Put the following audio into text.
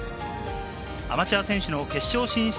アマチュア選手の決勝進出